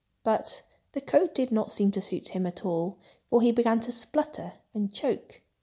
But the coat did not seem to suit him at all, for he began to splutter and choke.